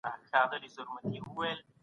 خپل وطن بايد ودان کړو.